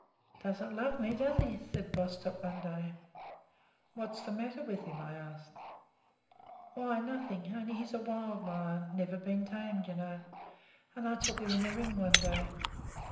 "Doesn't love me, does he?" said Bostock, one day. "What's the matter with him?" I asked. "Why, nothing; only he's a wild lion never been tamed, you know; and I took him in the ring one day.